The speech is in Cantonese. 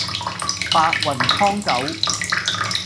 白雲蒼狗